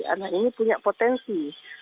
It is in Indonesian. anak ini punya potensi